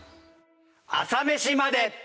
『朝メシまで。』。